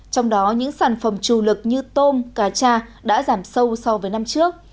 trong đó những sản phẩm chủ lực như tôm cà cha đã giảm sâu so với năm trước